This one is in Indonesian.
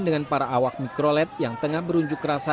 dengan para awak mikrolet yang tengah berunjuk rasa